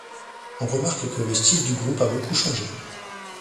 On remarque que le style du groupe a beaucoup changé.